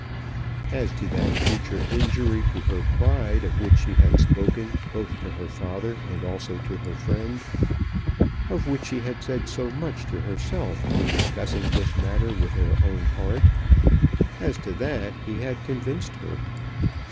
As to that future injury to her pride of which she had spoken both to her father and also to her friend, of which she had said so much to herself in discussing this matter with her own heart as to that he had convinced her.